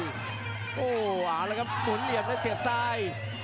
โหหาแล้วครับหมุนเหลี่ยมแล้วเสียบซ้าย